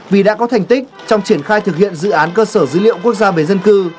vì đã có thành tích trong triển khai thực hiện dự án cơ sở dữ liệu quốc gia về dân cư